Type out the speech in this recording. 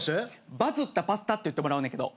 「バズったパスタ」って言ってもらうねんけど。